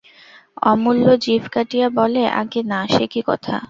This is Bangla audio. অমূল্য জিভ কাটিয়া বলে, আজ্ঞে না, সে কী কথা!